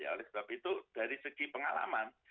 oleh sebab itu dari segi pengalaman